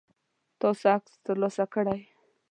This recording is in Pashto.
تاسو عکس ترلاسه کړئ؟